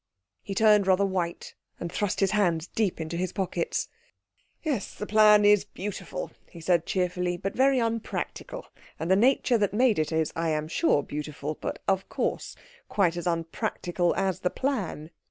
He turned rather white, and thrust his hands deep into his pockets. "Yes, the plan is beautiful," he said cheerfully, "but very unpractical. And the nature that made it is, I am sure, beautiful, but of course quite as unpractical as the plan."